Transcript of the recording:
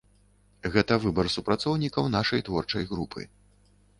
Гэта выбар супрацоўнікаў нашай творчай групы.